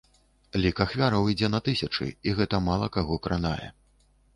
Лік ахвяраў ідзе на тысячы, і гэта мала каго кранае.